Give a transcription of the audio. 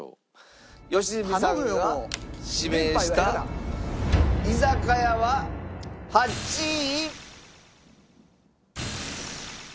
良純さんが指名した居酒屋は８位。